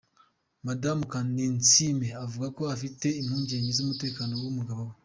Madamu Ninsiima avuga ko afite impungenge z’umutekano w’umugabo we.